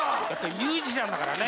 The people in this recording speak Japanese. ミュージシャンだからね。